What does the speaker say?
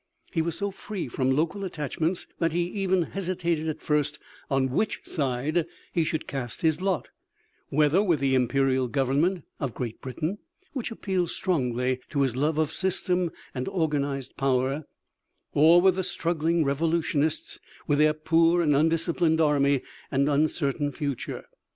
He was so free from local attachments that he even hesitated at first on which side he should cast his lot, whether with the imperial government of Great Britain, which appealed strongly to his love of system and organized power, or with the struggling revolutionists, with their poor and undisciplined army and uncertain future.